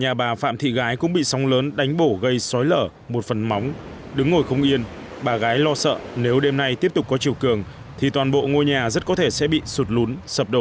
nhà bà phạm thị gái cũng bị sóng lớn đánh bổ gây xói lở một phần móng đứng ngồi không yên bà gái lo sợ nếu đêm nay tiếp tục có chiều cường thì toàn bộ ngôi nhà rất có thể sẽ bị sụt lún sập đổ